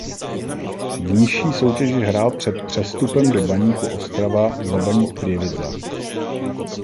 V nižší soutěži hrál před přestupem do Baníku Ostrava za Baník Prievidza.